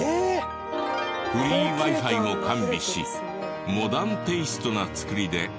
フリーＷｉ−Ｆｉを完備しモダンテイストな造りでおよそ１００卓。